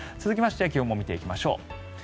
続きまして気温も見ていきましょう。